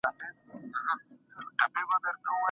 د فراغت سند له پامه نه غورځول کیږي.